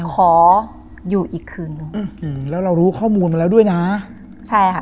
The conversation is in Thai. ขออยู่อีกคืนนึงแล้วเรารู้ข้อมูลมาแล้วด้วยนะใช่ค่ะ